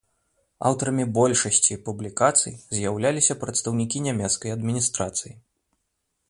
Аўтарамі большасці публікацый з'яўляліся прадстаўнікі нямецкай адміністрацыі.